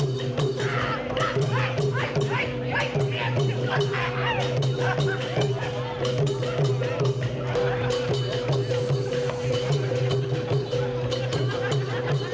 เกิดอะไรขึ้นกับท่านนายยกเออเวียงเอดิโต้ใหญ่แบบนี้หน่อยครับ